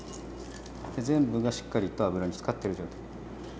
全部がしっかりと油につかっている状態。